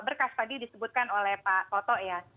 berkas tadi disebutkan oleh pak toto ya